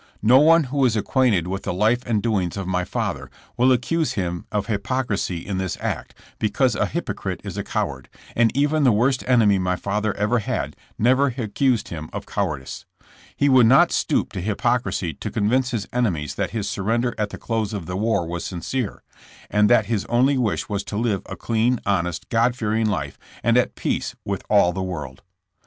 No one who is acquainted with the life and doings of my father will accuse him of hypocrisy in this act because a hypocrite is a coward, and even the worst enemy my father ever had never accused him of cowardice. He would not stoop to hypocrisy to convince his enemies that his surrender at the close of the war was sincere, and that his only wish was to live a clean, honest, God fearing life, and at peace with all the world.